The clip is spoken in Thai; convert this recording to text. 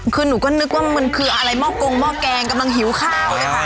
คือหนูก็นึกว่ามันคืออะไรหม้อกงหม้อแกงกำลังหิวข้าวเลยค่ะ